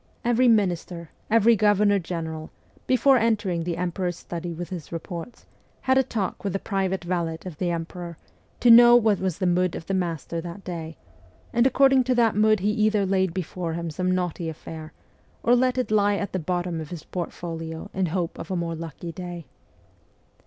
Every minister, every governor general, before entering the emperor's sturdy with his reports, had a talk with the private valet of the emperor, to know what was the mood of the master that day; and according to that mood he either laid before him some knotty affair, or let it lie at the bottom of his portfolio in hope of a more lucky day.